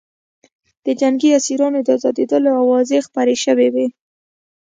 د جنګي اسیرانو د ازادېدلو اوازې خپرې شوې وې